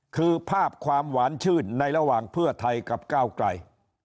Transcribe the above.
คือภาพความหวานชื่นในระหว่างเพื่อไทยกับก้าวไกล